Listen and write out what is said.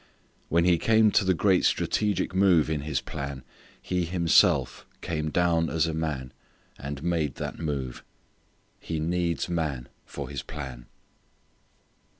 When He came to the great strategic move in His plan, He Himself came down as a man and made that move. _He needs man for His plan.